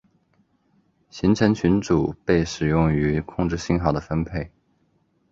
行程群组被使用于控制信号的分配。